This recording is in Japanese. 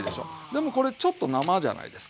でもこれちょっと生じゃないですか。